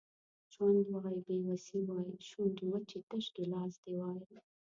ژوند وای بې وسي وای شونډې وچې تش ګیلاس دي وای